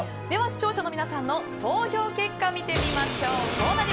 では視聴者の皆さんの投票結果、見てみましょう。